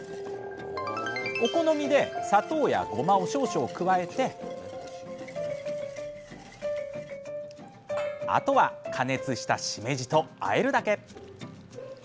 お好みで砂糖やごまを少々加えてあとは加熱したしめじとあえるだけ！